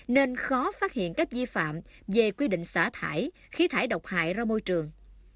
nên khó phát hiện các di phạm về quy định xả thải khí thải độc hại ra môi trường